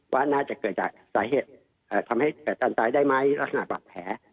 ว่าน่าจะเกิดจากสาเหตุทำให้เกิดการตายได้ไหมลักษณะบาดแผล